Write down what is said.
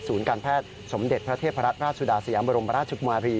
ศูนย์การแพทย์สมเด็จพระเทพรัตน์ราชสุดาศยามรมราชมรี